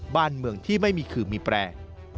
บ้านเมืองที่ไม่มีขื่อมีแปลง